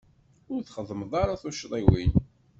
Ur txeddmeḍ ara tuccḍiwin.